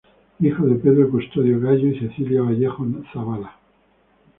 Hijo de Pedro Custodio Gallo y Cecilia Vallejo Zavala.